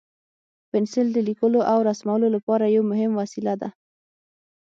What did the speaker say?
پنسل د لیکلو او رسمولو لپاره یو مهم وسیله ده.